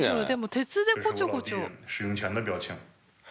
鉄でこちょこちょ。